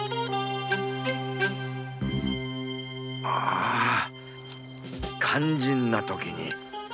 あっ肝心な時に！